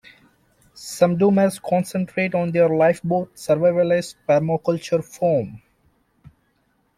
Some doomers concentrate on their "lifeboat" survivalist permaculture farm.